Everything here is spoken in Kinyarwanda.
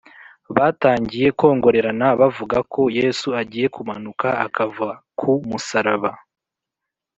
batangiye kongorerana bavuga ko yesu agiye kumanuka akava ku musaraba